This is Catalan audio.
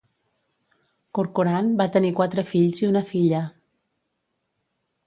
Corcoran va tenir quatre fills i una filla.